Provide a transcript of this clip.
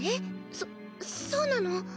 そそうなの？